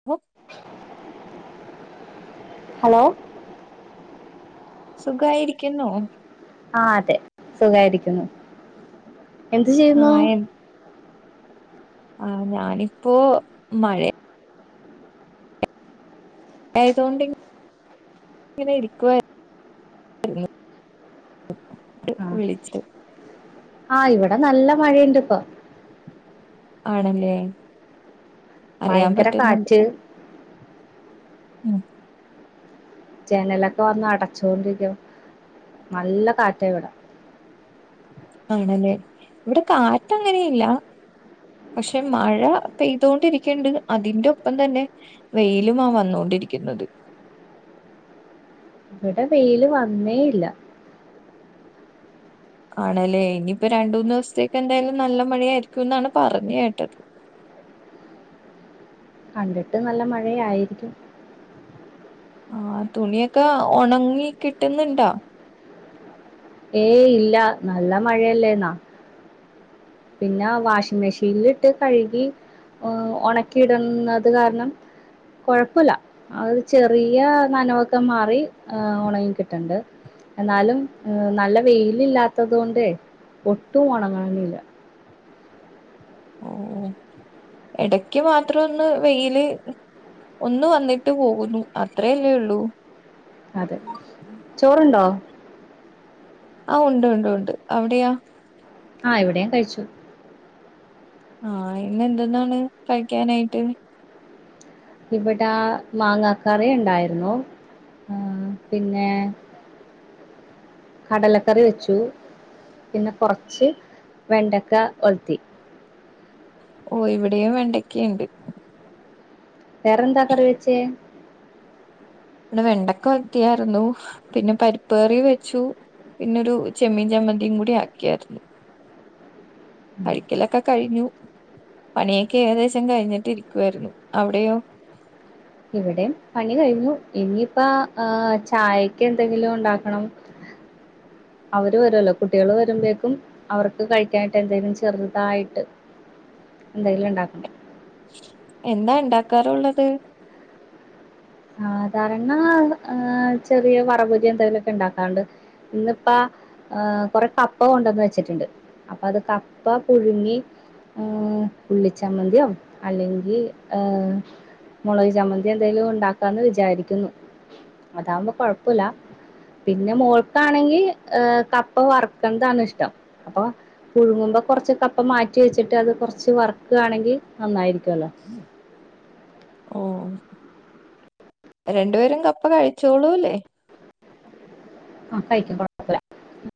O hello. സുഖായിരിക്കുന്നോ. ആഹ് അതെ സുഖായിരിക്കുന്നു എന്ത് ആ ചെയ്യുന്നു. ആഹ് ഞാനിപ്പോ മഴേ യതൊണ്ട് ഇങ്ങനെ ഇരിക്കുവായിരുന്നു [unintelligible] വിളിച്ചി ആഹ് ഇവിടെ നല്ല മഴയണ്ട് ഇപ്പോ. ആണല്ലേ. അറിയാൻ ഭയങ്കര പറ്റുന്നുണ്ട് കാറ്റ്. ഉം. ജനലൊക്കെ വന്ന് അടച്ചോണ്ടിരിക്കും നല്ല കാറ്റാ ഇവ്ടെ. ആണല്ലേ ഇവിടെ കാറ്റങ്ങനെയില്ല. പക്ഷെ മഴ പെയ്തോണ്ടിരിക്ക്ണ്ട് അതിന്റെ ഒപ്പം തന്നെ. വെയിലുമാ വന്നോണ്ടിരിക്കുന്നത്. ഇവിടെ വെയില് വന്നേയില്ല. ആണല്ലേ ഇനിയിപ്പോ രണ്ടൂന്ന് ദിവസത്തേക്ക് എന്തായാലും നല്ല മഴ ആയിരിക്കൂന്നാണ് പറഞ്ഞ് കേട്ടത്. കണ്ടിട്ട് നല്ല മഴയായിരിക്കും. ആഹ് തുണിയൊക്കെ ഒണങ്ങി കിട്ടുന്നുണ്ടോ? ഏയ് ഇല്ല നല്ല മഴയല്ലേയ്ന്നാ. പിന്നെ വാഷിംങ് മെഷീനിലിട്ട് കഴുകി ഉം ഒണക്കി ഇടുന്നത് കാരണം. കൊഴപ്പവില്ല. അത് ചെറിയ നനവൊക്കെ മാറി ഒണങ്ങി കിട്ടണ്ട്. എന്നാലും നല്ല വെയില് ഇല്ലാത്തത് കൊണ്ടേ ഒട്ടും ഉണങ്ങാനില്ല. ഓ ഇടക്ക് മാത്രം ഒന്ന് വെയില്. ഒന്ന് വന്നിട്ട് പോകുന്നു അത്രല്ലേ ഉള്ളൂ. അതെ ചോറുണ്ടോ? ആഹ് ഉണ്ടുണ്ടുണ്ട് അവിടെയോ? ആഹ് ഇവിടെയും കഴിച്ചു. ആഹ് ഇന്ന് എന്തെന്നാണ് കഴിക്കാനായിട്ട്. ഇവിടെ മാങ്ങാ കറി ഉണ്ടായിരുന്നു. ആഹ് പിന്നെ കടലക്കറി വെച്ചു. പിന്നെ കൊറച്ച് വെണ്ടക്ക ഒൽത്തി. ഓ ഇവിടെയും വെണ്ടക്കെയുണ്ട്. വേറെന്താ കറി വെച്ചേ? ഇവിടെ വെണ്ടക്കെ ഒൽത്ത്യാരുന്നു പിന്നെ പരിപ്പ് കറി വെച്ചു. പിന്നൊരു ചെമ്മീൻ ചമ്മന്തിം കൂടി ആക്കിയായിരുന്നു. കഴിക്കലൊക്കെ കഴിഞ്ഞു പണിയൊക്കെ ഏകദേശം കഴിഞ്ഞിട്ടിരിക്കുവാരുന്നു അവിടെയോ? ഇവിടെയും പണി കഴിഞ്ഞു ഇനിയിപ്പ ആഹ് ചായക്ക് എന്തെങ്കിലും ഉണ്ടാക്കണം. അവര് വരുല്ലോ കുട്ടികള് വരുമ്പോഴേക്കും. അവർക്ക് കഴിക്കാനായിട്ട് എന്തേലും ചെറുതായിട്ട് എന്തെങ്കിലും ണ്ടാക്കണം. എന്താ ണ്ടാക്കാറുള്ളത്? സാധാരണ ആഹ് ചെറിയ വറവ് എന്തെങ്കിലുമൊക്കെ ഇണ്ടാക്കാറ്ണ്ട്. ഇന്നിപ്പ കൊറെ കപ്പ കൊണ്ടന്ന് വെച്ചിട്ടുണ്ട്. അപ്പൊ അത് കപ്പ പുഴുങ്ങി. ഉം ഉള്ളിച്ചമ്മന്തിയോ അല്ലെങ്കിൽ ഏഹ് മൊളക് ചമ്മന്ത്യോ എന്തെലും ഉണ്ടാക്കാന്ന് വിചാരിക്കുന്നു അതാവുമ്പോ കൊഴപ്പില്ല. പിന്നെ മോൾക്കാണെങ്കി ഏഹ് കപ്പ വറക്ക്ന്നതാണ്ഷ്ടം അപ്പൊ പുഴുങ്ങുമ്പോ കൊറച്ച് കപ്പ മാറ്റി വെച്ചിട്ട് അത് കൊറച്ച് വറുക്കാണെങ്കി നന്നായിരിക്യോല്ലോ ഓ രണ്ട്പേരും കപ്പകഴിച്ചോളൂല്ലേ ആഹ് കഴിക്കും കൊഴപ്പോല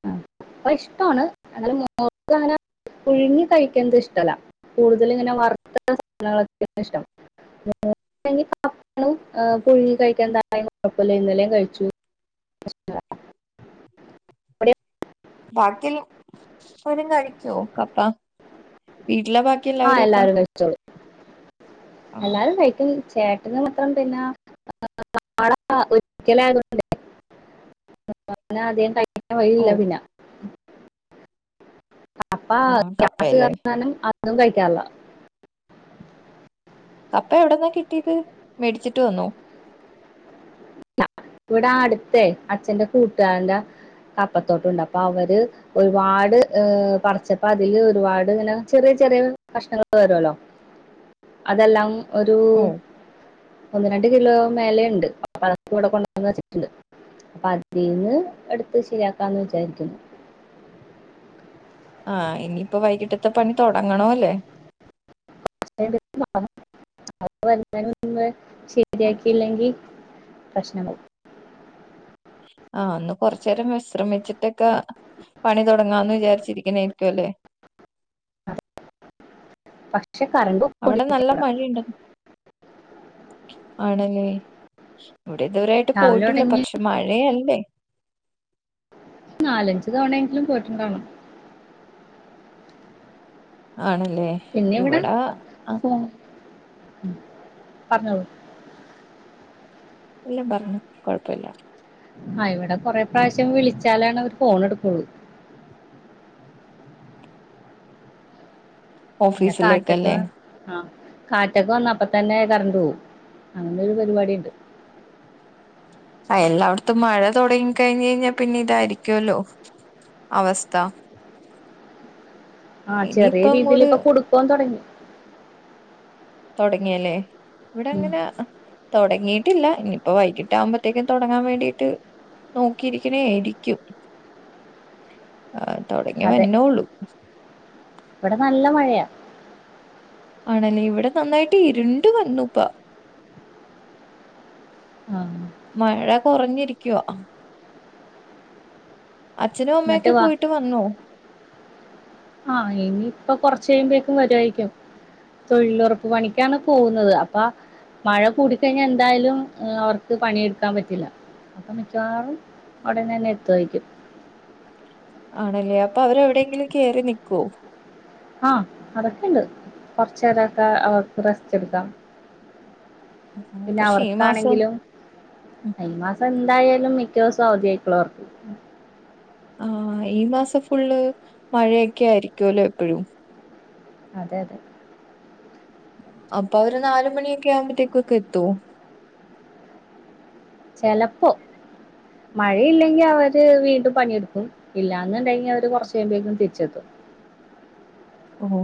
ആഹ് കപ്പ ഇഷ്ട്ടാണ് എന്നാലുംമോൾക് അങ്ങനെ പുഴുങ്ങികഴിക്കൺത് ഇഷ്ടല്ല കൂടുതല്ങ്ങനെ വറുത്ത സാധനങ്ങളൊക്കെയാണിഷ്ടം [unintelligible] പുഴുങ്ങി കഴിക്കാൻ [unintelligible] ഇന്നലേംകഴിച്ചു [unintelligible] [inaudible] ബാക്കിൽ [unintelligible] പേരും കഴിക്കോ കപ്പ വീട്ടിലെ ബാക്കി ആഹ് എല്ലാവരും ഒക്കെ എല്ലാരുംകഴിച്ചോളും ആഹ് എല്ലാരും കഴിക്കും ചേട്ടന് മാത്രം പിന്നാ [unintelligible] ഒരിക്കലായതോണ്ടേ [unintelligible] വഴി ഇല്ല ഓ പിന്നെ അപ്പാ ആഹ് ഗ്യാസ് കപ്പയല്ലേ [inaudible] അതും കഴിക്കാർല്ല കപ്പ എവിടന്നാ കിട്ടീത് മേടിച്ചിട്ട് വന്നു ഇവടാ അടുത്തേ അച്ഛന്റെ കൂട്ടാരന്റെ കപ്പത്തോട്ടുണ്ട് അപ്പൊ അവര് ഒരുപാട് പർച്ചപ്പ അതില് ഒരുപാട് ങ്ങനെ ചെറ്യേ ചെറ്യേ കഷ്ണങ്ങള് വരൊല്ലോ അതെല്ലാം ഒരു ഓഹ് ഒന്ന്, രണ്ട് കിലോ മേലെണ്ട്. അപ്പൊ അതൊക്കെ ഇവടെ കൊണ്ട ന്നെച്ചിട്ട്ണ്ട്. അപ്പൊ അതീന്ന് എട്ത്ത് ശരിയാക്കാന്ന് വിചാരിക്കുന്നു. ആഹ് ഇനിയിപ്പോ വൈകിട്ടത്തെ പണി തൊടങ്ങണോല്ലേ [unintelligible] ശെരി ആക്കില്ലെങ്കി [unintelligible] ആഹ് ഒന്ന് കൊർച്ചേരം വിശ്രമിച്ചിട്ടൊക്ക പണി തൊടങ്ങാന്ന് വിചാരിച്ചിരിക്ക്ണേൽക്കു അല്ലെ പക്ഷെ കറണ്ടോവും. അവിടെ നല്ല മഴിണ്ട്. ആണ്ല്ലേ ഇവടെ ഇതുവരായിട്ട് രാവിലെ പോയിട്ടില്ല തുടങ്ങി പക്ഷ് മഴയല്ലേ നാലഞ്ച് തവണേങ്കിലും പോയിട്ടുണ്ടാവണം. ആണ്ല്ലേ പിന്നെ ഇവിടാ ഫോ പർഞ്ഞോളൂ ഇല്ല പർഞ്ഞോ കൊഴപ്പല്ല ആഹ് ഇവിടെ കൊറേപ്രാശ്യം വിളിച്ചാലാണ് അവര് ഫോൺ എട്ക്കൊള്ളൂ. ന്നെ കാറ്റൊക്കെ ഓഫീസിലേക്കല്ലേ ആഹ് കാറ്റൊക്കെ വന്ന അപ്പ തന്നെ കറണ്ടോവും അങ്ങനൊരു പരുപാടിണ്ട്. ആഹ് എല്ലാട്ത്തും മഴ തൊടങ്ങി കഴിഞ്ഞേഞ്ഞ പിന്നെ ഇതായിരിക്ക്യോല്ലോ അവസ്ഥ ആഹ് ചെറിയ ഇനിയിപ്പ രീതിൽ അങ്ങോട് ഇപ്പൊ കുടുക്കോ തൊടങ്ങി തൊടങ്ങിയല്ലേ ഇവടെ ഉം അങ്ങനെ തൊടങ്ങീട്ടില്ല ഇനിപ്പൊ വൈകിട്ടാമ്പത്തേക്ക്‌ തൊടങ്ങാ വേണ്ടിട്ട് നോക്കിയിരിക്കണേരിക്കും ആ തൊടങ്ങി വന്നൊള്ളൂ ഇവടെ നല്ല മഴയാ ആണല്ലേ ഇവടെ നന്നായിട്ട് ഇരുണ്ട് വന്നുപ്പാ. ആഹ് മഴ കൊറഞ്ഞിരിക്ക്യോ എന്നിട്ട് അച്ഛനുംഅമ്മയൊക്കെ വാ പോയിട്ട് വന്നോ? ആഹ് ഇനിയപ്പ കൊർച്ചയുമ്പേക്കും വരു ആയിക്കും. തൊഴിലുറപ്പ് പണിക്കാണ് പോവുന്നത് അപ്പ മഴ കൂടിക്കഴിഞ്ഞാ എന്തായാലും അവർക്ക് പണിയെടുക്കാ പറ്റില്ല. അപ്പൊ മിക്കവാറും ഒടനന്നെ എത്തു ആയ്ക്കും. ആണല്ലേ അപ്പൊ അവരെവിടെയെങ്കിലും കേറി നിക്കോ? ആഹ് അതൊക്കെണ്ട്. കൊർച്ചേരൊക്കെ അവർക്ക് റസ്റ്റ് ഇടുക്കാം. പിന്നെ പക്ഷെ ഈ മാസം അവർക്കാണെങ്കിലും ഈ മാസം എന്തായാലും മിക്കോസം അവധി ആയിക്കുള്ളൂ വർക്ക് ആഹ് ഈ മാസം ഫുള്ള് മഴയൊക്കെ ആയിരിക്കൊല്ലോ എപ്പഴും അതെ അതെ അപ്പൊ അവര് നാല് മണിയൊക്കെ ആവുമ്പത്തേക്കൊക്കെ എത്തോ? ചെലപ്പോ മഴയില്ലെങ്കി അവര് വീണ്ടും പണിയെടുക്കും. ഇല്ലാന്ന്ണ്ടെങ്കി അവര് കൊർച്ചഴുമ്പേക്കും തിരിച്ചെത്തും. ഓഹ്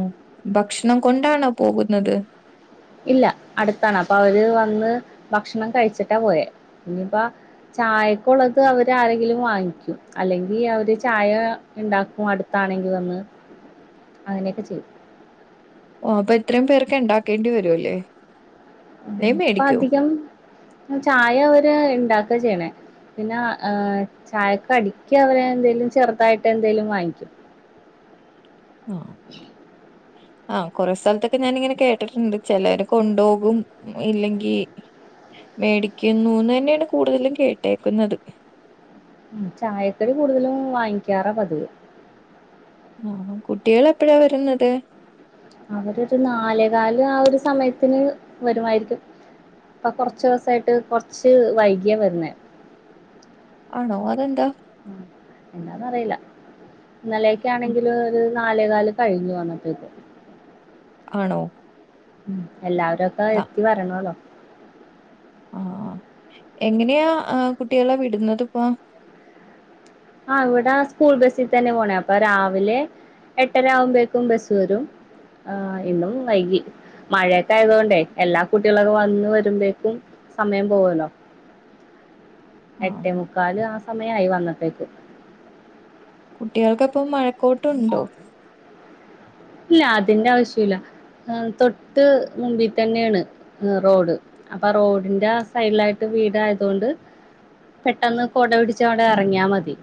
ഭക്ഷണം കൊണ്ടാണോ പോകുന്നത്? ഇല്ല അടുത്താണ് അപ്പൊ അവര് വന്ന് ഭക്ഷണം കഴിച്ചിട്ടാ പോയ ഇനി പ്പ ചായക്കുള്ളത് അവര് ആരെങ്കിലും വാങ്ങിക്കും. അല്ലെങ്കിൽ അവര് ചായ ഇണ്ടാക്കും അടുത്താണെങ്കി വന്ന് [inaudible] അങ്ങനൊക്കെ ചെയ്യും ഓ അപ്പൊ എത്രേം പേർക്കെ ണ്ടാക്കേണ്ടി വരുല്ലേ ഇപ്പ അധികം ചായ അവര് ണ്ടാക്ക ചെയ്യണേ പിന്നെ ചായക്കടിക്കവര് എന്തേലും ചെറുതായിട്ട് എന്തെലും വാങ്ങിക്കും [inaudible] ആ കൊറേ സ്ഥലത്തൊക്കെ ഞാനിങ്ങനെ കേട്ടിട്ട്ണ്ട് ചെലോര് കൊണ്ടോകും ഇല്ലെങ്കി മേടിക്കുന്നുന്നെണ് കൂടുതലും കേട്ടേക്ക്ന്നത് ചായക്കടി കൂടുതലും വാങ്ങിക്കാറാ പതിവ് ആ കുട്ട്യാളെപ്പഴാ വരുന്നത് അവരൊരു നാലേകാല് ആ ഒരു സമയത്തിന് വരുമായിരിക്കും പ്പൊ കൊർച്ചുസായിട്ട് കൊർച്ച് വൈകിയ വരുന്നേ ആണോ അതെന്താ എന്താന്നറിയില്ല ഉം. ഇന്നലൊക്കാണെങ്കില് ഒരു നാ നാലേകാല് കയ്ഞ്ഞു വന്നപ്പേക്ക് ആണോ ഉം എല്ലാവരൊക്കെ എത്തി വരണല്ലോ ആ എങ്ങനെയാ ആ കുട്ട്യാളെ വിടുന്നത്പ്പോ ആ ഇവിടെ സ്കൂൾ ബസ്സി തന്നെ പോണെ അപ്പൊ രാവിലെ എട്ടരാകുമ്പേക്കും ബസ്സ് വെരും ആ ഇന്നും വൈകി മഴയൊക്കെ ആയതോണ്ടേ എല്ലാ കുട്ടികളൊക്കെ വന്ന് വരുമ്പേക്കും സമയം പോവല്ലോ എട്ടേ ആഹ് മുക്കാല് ആ സമയായി വന്നപ്പേക്ക് കുട്ട്യാൾക്കപ്പം മഴക്കോട്ട്ണ്ടോ ഇല്ല അതിന്റെ ആവശ്യല്ല തൊട്ട് മുമ്പി തന്നെണ് റോഡ് അപ്പൊ റോഡിന്റെ ആ സൈഡിലായിട്ട് വീടായതോണ്ട് പെട്ടെന്ന് കൊട പിടിച്ചവടെ എറങ്യാ മതി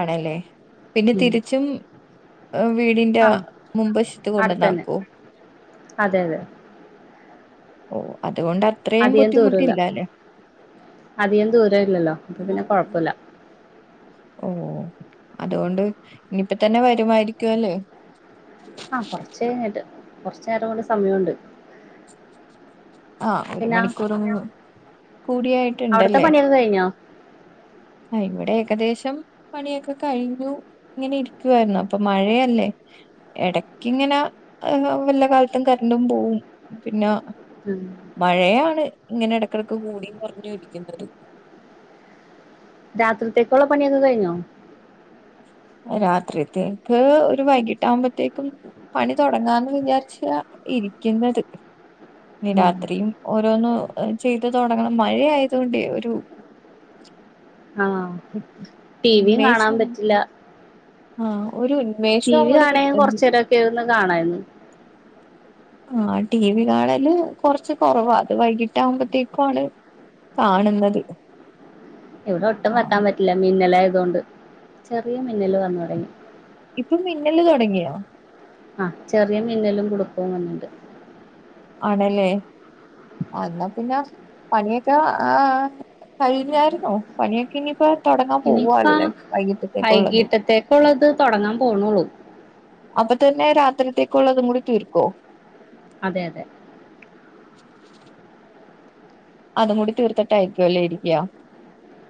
ആണ് ല്ലേ പിന്നെ ഉം തിരിച്ചും വീടിന്റെ ആ മുമ്പശത്ത് അടുത്തന്നെ കൊണ്ടന്നാക്കോ അതെ അതെ ഓ അതുകൊണ്ട് അത്രേം അധികം ദൂരമില്ല ബുദ്ധിമുട്ടില്ല ല്ലേ അധികം ദൂരല്ലല്ലോ അപ്പൊ പിന്നെ കൊഴപ്പല്ല ഓ അതോണ്ട് ഇനിയിപ്പ തന്നെ വരുമായിരിക്കും അല്ലേ ആ കൊർച്ചയ്ഞ്ട്ട് കൊർച്ചേരം കൂടെ സമയുണ്ട് ആ ഒരു മണിക്കൂറും കൂടിയായിട്ടുണ്ടല്ലേ ത് കയ്ഞ്ഞോ ആ ഇവടെ ഏകദേശം പണിയൊക്കെ കയ്ഞ്ഞു ങ്ങനെ ഇരിക്കുവായിരുന്നു അപ്പൊ മഴയല്ലേ എടക്കിങ്ങനെ വല്ല കാലത്തും കറന്റും പോവും പിന്നെ ഉം മഴയാണ് ഇങ്ങനെ എടക്കെടക്ക് കൂടിയും കൊർഞ്ഞും ഇരിക്കുന്നത് രാത്രിത്തേക്കുള്ള പണിയൊക്കെ കഴിഞ്ഞോ രാത്രിത്തേക്ക് ഒരു വൈകീട്ടാകുമ്പോത്തേക്കും പണി തൊടങ്ങാന്ന് വിചാരിച്ച ഇരിക്കുന്നത് ഇ ഉം. രാത്രിയും ഓരോന്ന് ചെയ്ത് തൊടങ്ങണം മഴയായതോണ്ടെ ഒരു ആ ടി വിയും കാണാൻ ഉൻമേഷം പറ്റില്ല ആ ഒരു ഉന്മേഷം ടി വി അങ്ങോട്ട് കാണാൻ കിട്ടുന്ന കുറച്ചു നേരമൊക്കെ ഇരുന്ന് കാണായിരുന്നു ആ ടി വി കാണല് കൊറച്ച് കൊറവാ അത് വൈകിട്ടാകുമ്പത്തേക്കാണ് കാണുന്നത് ഇവിടെ ഒട്ടും ആഹ് വെക്കാൻ പറ്റില്ല മിന്നലായതോണ്ട് ചെറിയ മിന്നല് വന്ന് തൊടങ്ങി ഇപ്പൊ മിന്നല് തൊടങ്ങിയോ ആ ചെറിയ മിന്നലും കൊടുക്ക വിണ്ട് ആണല്ലേ എന്നാ പിന്നെ പണിയൊക്കെ ആ കഴിഞ്ഞായിന്നോ പണിയൊക്കെ ഇനിയിപ്പോ തുടങ്ങാൻ ഇനിയിപ്പ പോവുവല്ലേ വൈകിട്ടത്തേക്ക ഉള്ളത് അപ്പോൾത് തുടങ്ങാൻ പോകണള്ളൂ അപ്പൊ തന്നെ രാത്രിത്തേക്കുള്ള അതും കൂടി തീർക്കോ അതെ അതെ അതും കൂടി തീർത്തിട്ടയിരിക്കുവ അല്ലേ ഇരിക്കയാ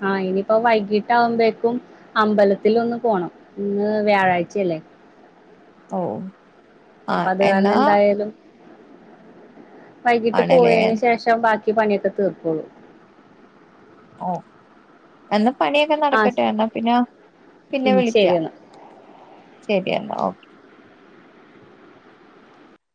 ആഹ് ഇനിയിപ്പോ വൈകീട്ട ആകുമ്പോേക്കും അമ്പലത്തി ഒന്ന് പോണം ഇന്ന് വ്യാഴാഴ്ചല്ലേ ഓ അപ്പൊ ആഹ് അത് എന്നാ കാരണം എന്തായാലും വൈകിട്ട് ആണല്ലേ പോയതിനന് ശേഷം ബാക്കി പണിയൊക്കെ തീർക്കോള്ളൂ ഓ എന്നാ പണിയൊക്കെ ആഹ് നടക്കട്ടെ എന്നാ പിന്നെ പിന്നെ ഉം വിളിക്കാം ശരിയെന്നാ ശരിയെന്നാ ഓക്കെ